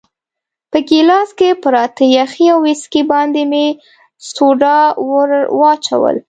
په ګیلاس کې پراته یخي او ویسکي باندې مې سوډا ورو وراچول.